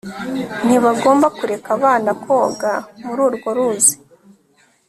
Ntibagomba kureka abana koga muri urwo ruzi